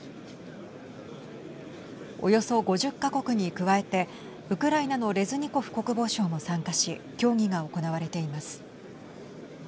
およそ５０か国に加えてウクライナのレズニコフ国防相も参加し協議が行われています。